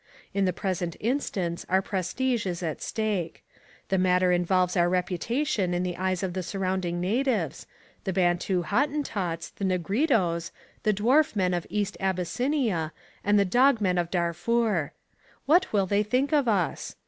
In the present instance our prestige is at stake: the matter involves our reputation in the eyes of the surrounding natives, the Bantu Hottentots, the Negritos, the Dwarf Men of East Abyssinia, and the Dog Men of Darfur. What will they think of us?